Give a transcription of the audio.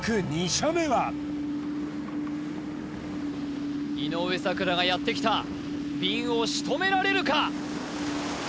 ２射目は井上咲楽がやってきた瓶を仕留められるか！？